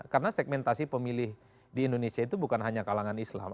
karena segmentasi pemilih di indonesia itu bukan hanya kalangan islam